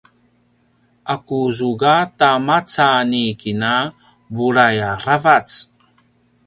a ku zuga ta maca ni kina bulai aravac